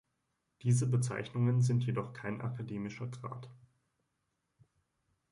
Diese Bezeichnungen sind jedoch kein akademischer Grad.